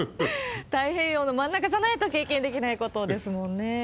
太平洋の真ん中じゃないと経験できないことですもんね。